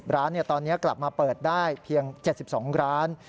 ร้านตอนนี้กลับมาเปิดได้เพียง๗๒ร้าน